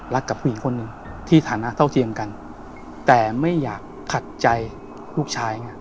กับผู้หญิงคนหนึ่งที่ฐานะเท่าเทียมกันแต่ไม่อยากขัดใจลูกชายไง